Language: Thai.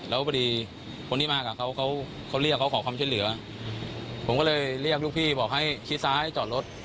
แล้วพอดีคนที่มากับเขาเขาเรียกเขาขอความช่วยเหลือผมก็เลยเรียกลูกพี่บอกให้ชี้ซ้ายจอดรถ